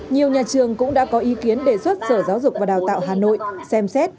nhiều nhà trường cũng đã có ý kiến đề xuất sở giáo dục và đào tạo hà nội xem xét